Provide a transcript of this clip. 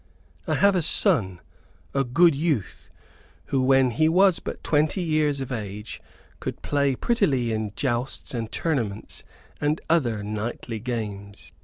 "I have a son a good youth who, when he was but twenty years of age, could play prettily in jousts and tournaments and other knightly games.